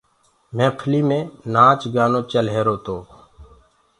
مهڦلي مينٚ نآچ گآنو چل رهيرو تو۔